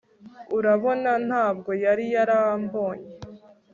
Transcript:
urabona, ntabwo yari yarambonye